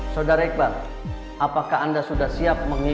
saudara iqbal apakah anda sudah berhenti